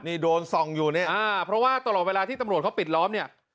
นี่โดนส่องอยู่เนี่ยอ่าเพราะว่าตลอดเวลาที่ตำรวจเขาปิดล้อมเนี่ย